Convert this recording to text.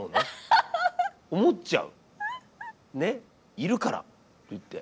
「いるから」って言って。